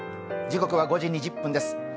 時刻は５時２０分です。